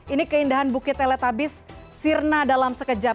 ini keindahan bukit teletabis sirna dalam sekejap